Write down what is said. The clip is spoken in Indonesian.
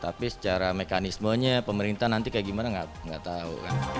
tapi secara mekanismenya pemerintah nanti kayak gimana nggak tahu